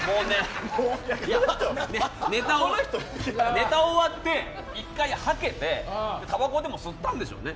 ネタ終わって１回はけてたばこでも吸ったんでしょうね